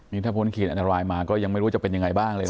นี่ถ้าพ้นขีดอันตรายมาก็ยังไม่รู้จะเป็นยังไงบ้างเลยนะ